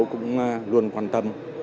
cũng luôn quan tâm